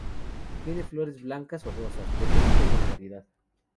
Tiene flores blancas o rosas, dependiendo de la variedad.